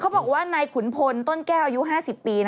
บอกว่านายขุนพลต้นแก้วอายุ๕๐ปี